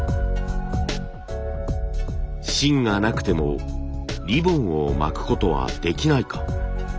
芯がなくてもリボンを巻くことはできないか。